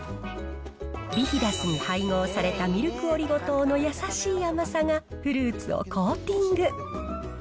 ビヒダスに配合されたミルクオリゴ糖のやさしい甘さがフルーツをコーティング。